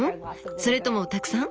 それともたくさん？